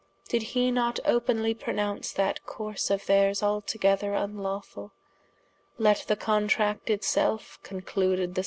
Did he not openly pronounce that course of theirs altogether vnlawfull? let the Contract it selfe concluded the 6.